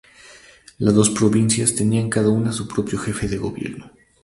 Las dos provincias tenían cada una su propio Jefe de gobierno.